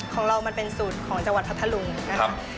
ของเรามันเป็นสูตรของจังหวัดพัทธลุงนะคะ